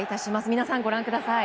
皆さん、ご覧ください。